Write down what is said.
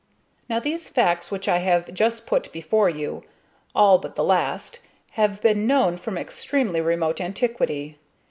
Now these facts which I have just put before you all but the last have been known from extremely remote antiquity.